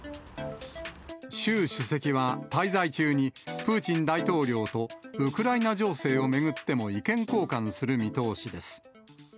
習主席は滞在中に、プーチン大統領とウクライナ情勢を巡っても意見交換する見通しです。